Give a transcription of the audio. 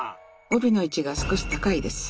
帯の位置が少し高いです。